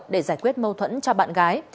để giải quyết mâu thuẫn cho bạn gái